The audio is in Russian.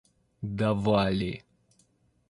давали